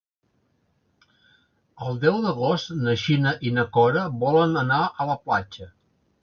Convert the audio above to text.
El deu d'agost na Gina i na Cora volen anar a la platja.